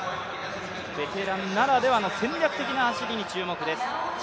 ベテランならではの戦略的な走りに注目です。